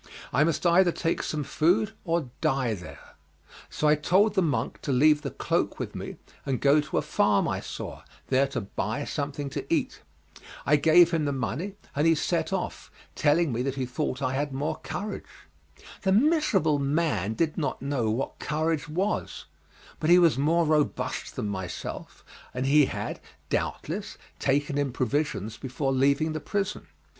I must either take some food or die there, so I told the monk to leave the cloak with me and go to a farm I saw, there to buy something to eat. I gave him the money, and he set off, telling me that he thought I had more courage. The miserable man did not know what courage was, but he was more robust than myself, and he had, doubtless, taken in provisions before leaving the prison.